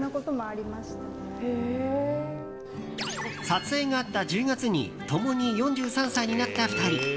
撮影があった１０月に共に４３歳になった２人。